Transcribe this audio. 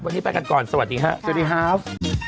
วันนี้ไปกันก่อนสวัสดีครับ